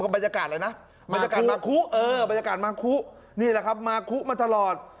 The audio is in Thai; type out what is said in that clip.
บรรยากาศอะไรนะบรรยากาศมาคุมาคุมาทลอด